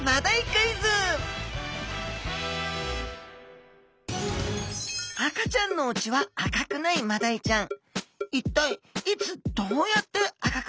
クイズ赤ちゃんのうちは赤くないマダイちゃん。